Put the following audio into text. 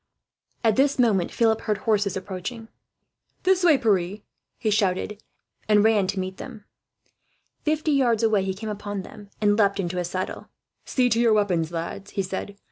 At this moment Philip heard horses approaching. "This way, Pierre," he shouted, and ran to meet them. Fifty yards away he came upon them, and leapt into his saddle. "See to your weapons, lads," he said.